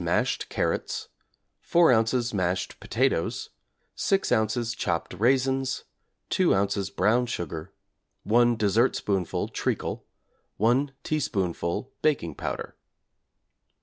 mashed carrots, 4 ozs. mashed potatoes, 6 ozs. chopped raisins, 2 ozs. brown sugar, 1 dessertspoonful treacle, 1 teaspoonful baking powder.